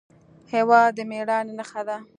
هېواد د مېړانې نښه ده.